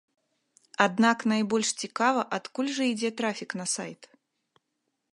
Аднак найбольш цікава, адкуль жа ідзе трафік на сайт.